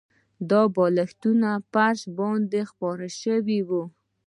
دا بالښتونه په فرش باندې خپاره شوي وو